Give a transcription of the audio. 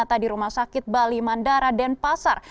tadi rumah sakit bali mandara dan pasar